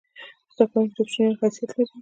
زده کوونکی د کوچنیانو حیثیت لري.